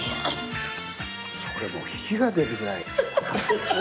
それはもう火が出るぐらい。